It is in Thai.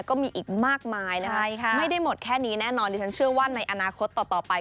ก็มีอีกมากมายนะคะไม่ได้หมดแค่นี้แน่นอนดิฉันเชื่อว่าในอนาคตต่อไป